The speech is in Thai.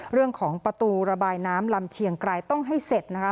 เรื่องของประตูระบายน้ำลำเชียงไกรต้องให้เสร็จนะคะ